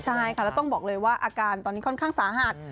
ใช่ค่ะแล้วต้องบอกเลยว่าอาการตอนนี้ค่อนข้างสาหัส